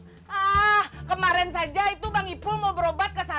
ah kemarin saja itu bang ipul mau berobat kesana